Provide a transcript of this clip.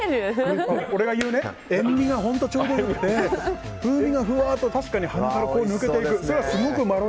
塩みがちょうど良くて風味がふわっと確かに鼻から抜けていく。